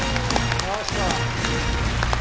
きました。